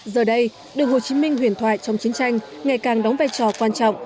giờ đây đường hồ chí minh huyền thoại trong chiến tranh ngày càng đóng vai trò quan trọng